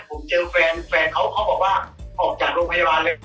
ผมเจอแฟนแฟนเขาเขาบอกว่าออกจากโรงพยาบาลเลย